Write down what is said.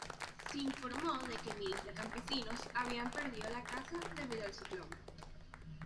Se informó de que miles de campesinos habían perdido la casa debido al ciclón.